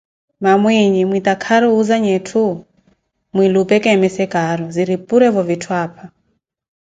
Mamuinyi mwitakaru wuuzanya etthu mwilupee keemese caaro, ziri purevo vitthu apha.